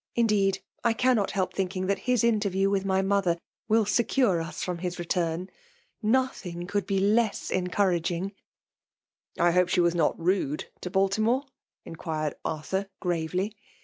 Indeed I cannot help thinking that his interview with vy mother will secure us from his return. Nothing could be less encouraging." " I hope she was not rude to Baltimore ?" iBqmred Arthur, gravely.